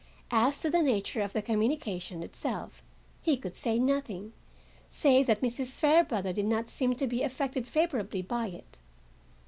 As to the nature of the communication itself he could say nothing, save that Mrs. Fairbrother did not seem to be affected favorably by it.